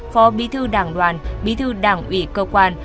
phó bi thư đảng đoàn bi thư đảng ủy cơ quan